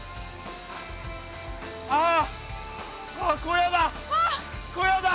あああ小屋だ！